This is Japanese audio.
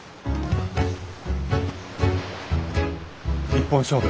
一本勝負。